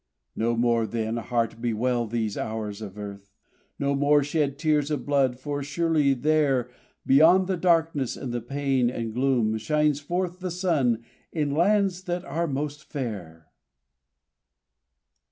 No more, then, heart, bewail these hours of earth, No more shed tears of blood, for surely there, Beyond the darkness and the pain and gloom Shines forth the sun in lands that are most fair!